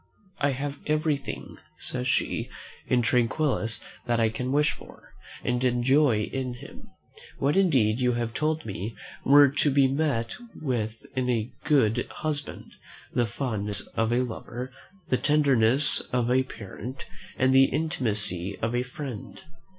"I have everything," says she, "in Tranquillus that I can wish for; and enjoy in him, what indeed you have told me were to be met with in a good husband, the fondness of a lover, the tenderness of a parent, and the intimacy of a friend."